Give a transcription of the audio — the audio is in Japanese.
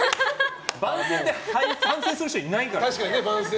番宣で反省する人いないからね。